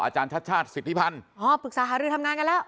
อาจารย์ชาติชาติสิทธิพันธ์อ๋อปรึกษาหารือทำงานกันแล้ว